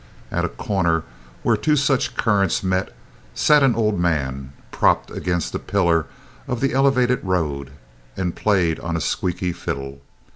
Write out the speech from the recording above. At a corner where two such currents met sat an old man, propped against a pillar of the elevated road, and played on a squeaky fiddle.